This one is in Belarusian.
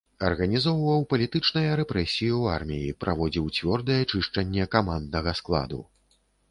Арганізоўваў палітычныя рэпрэсіі ў арміі, праводзіў цвёрдае чышчанне каманднага складу.